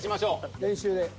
練習で。